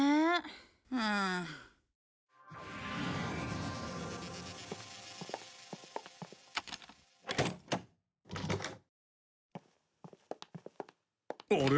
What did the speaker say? うん。あれ？